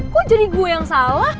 kok jadi gue yang salah